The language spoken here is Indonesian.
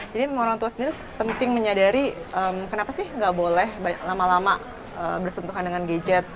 jadi orang tua sendiri penting menyadari kenapa sih gak boleh lama lama bersentuhkan dengan gadget